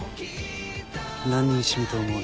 何人死ぬと思う？